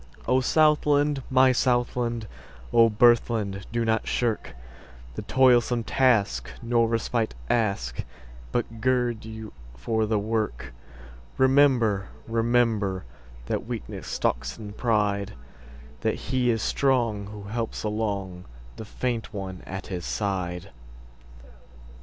O Southland! my Southland!O birthland! do not shirkThe toilsome task, nor respite ask, But gird you for the work. Remember, rememberThat weakness stalks in pride; That he is strong who helps alongThe faint one at his side.